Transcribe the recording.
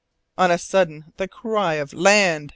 On a sudden the cry of "Land!"